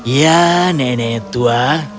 ya nenek tua